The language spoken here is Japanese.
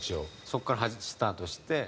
そこからスタートして。